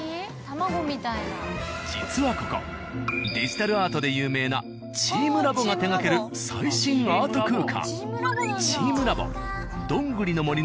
実はここデジタルアートで有名な「チームラボ」が手がける最新アート空間。